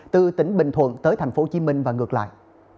từ tỉnh bình thuận tới tp hcm và ngược lại